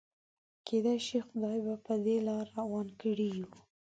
کيدای شي خدای به په دې لاره روان کړي يو.